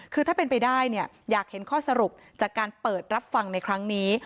คือถ้าเป็นไปได้เนี่ยอยากเห็นข้อสรุปจากการเปิดรับฟังในครั้งนี้